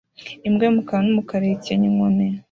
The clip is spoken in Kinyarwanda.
Imbwa y'umukara n'umukara ihekenya inkoni